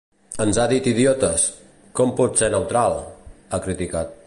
Ens ha dit idiotes, com pot ser neutral?, ha criticat.